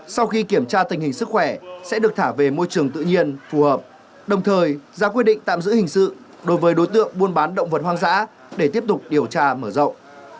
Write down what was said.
sau khi kiểm tra tình hình sức khỏe sẽ được thả về môi trường tự nhiên phù hợp đồng thời ra quy định tạm giữ hình sự đối với đối tượng buôn bán động vật hoang dã để tiếp tục điều tra mở rộng